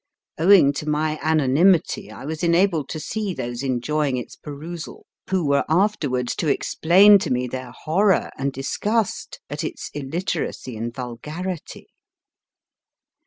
Owing to my anonymity, I was enabled to see those enjoying its perusal, who were afterwards IT WAS HAWKED ABOUT THE STREETS to explain to me their horror and disgust at its illiteracy and vulgarity.